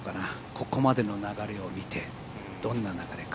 ここまでの流れを見てどんな流れか。